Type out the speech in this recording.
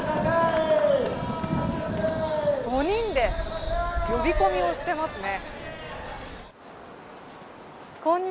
５人で呼び込みをしてますね。